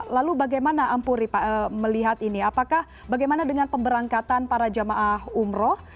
lalu bagaimana ampuri melihat ini apakah bagaimana dengan pemberangkatan para jamaah umroh